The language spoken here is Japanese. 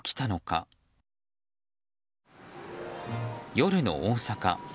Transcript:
夜の大阪。